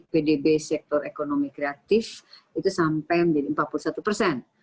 pdb sektor ekonomi kreatif itu sampai menjadi empat puluh satu persen